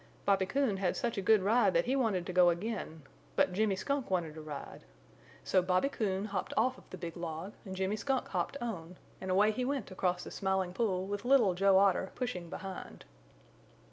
Bobby Coon had such a good ride that he wanted to go again, but Jimmy Skunk wanted a ride. So Bobby Coon hopped off of the big log and Jimmy Skunk hopped on and away he went across the Smiling Pool with little Joe Otter pushing behind.